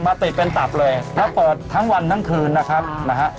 ติดเป็นตับเลยแล้วเปิดทั้งวันทั้งคืนนะครับนะฮะ